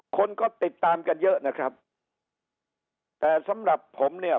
คนก็ติดตามกันเยอะนะครับแต่สำหรับผมเนี่ย